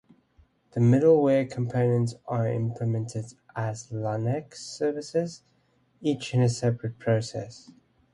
The middleware components are implemented as Linux services, each in a separate process.